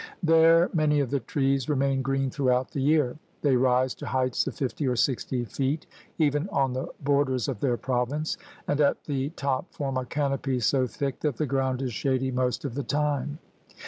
There many of the trees remain green throughout the year. They rise to heights of fifty or sixty feet even on the borders of their province, and at the top form a canopy so thick that the ground is shady most of the time.